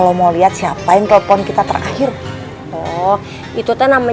pokoknya gak usah cerita gak usah ngomong